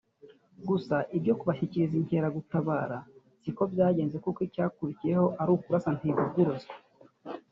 Gusa ibyo kubashyikiriza inkaragutabara si ko byagenze kuko icyakurikiyeho ari ukurasa Ntivuguruzwa